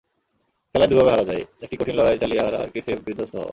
খেলায় দুভাবে হারা যায়—একটি কঠিন লড়াই চালিয়ে হারা, আরেকটি স্রেফ বিধ্বস্ত হওয়া।